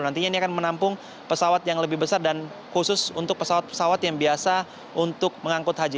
nantinya ini akan menampung pesawat yang lebih besar dan khusus untuk pesawat pesawat yang biasa untuk mengangkut haji